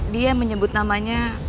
dia menyebut namanya